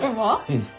うん。